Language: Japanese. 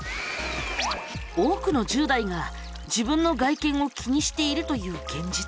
多くの１０代が自分の外見を気にしているという現実。